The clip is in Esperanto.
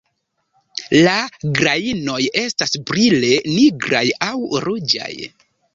La grajnoj estas brile nigraj aŭ ruĝaj.